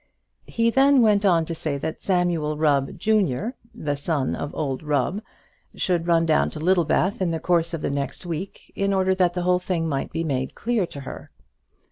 He then went on to say that Samuel Rubb, junior, the son of old Rubb, should run down to Littlebath in the course of next week, in order that the whole thing might be made clear to her.